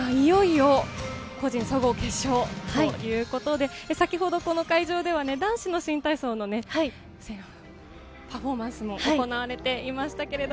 いよいよ個人総合決勝ということで、先ほど会場では男子の新体操のパフォーマンスも行われていました。